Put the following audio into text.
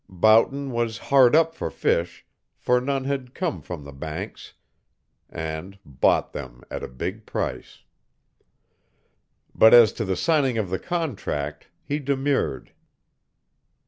Boughton was hard up for fish, for none had come from the Banks, and bought them at a big price. But as to the signing of the contract, he demurred.